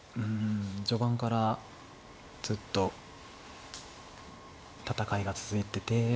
序盤からずっと戦いが続いてて。